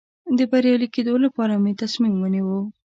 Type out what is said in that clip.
د بریالي کېدو لپاره مې تصمیم ونیو.